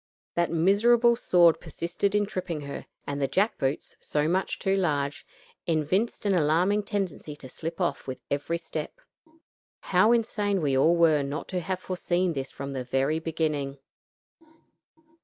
That miserable sword persisted in tripping her, and the jack boots, so much too large, evinced an alarming tendency to slip off with every step. How insane we all were not to have foreseen this from the very beginning.